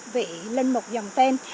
vị lên một dòng tên